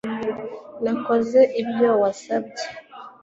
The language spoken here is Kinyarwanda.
nakoze ibyo wasabye